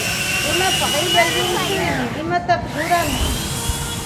Runapa qilla llunchuynin imatapis rurantsu.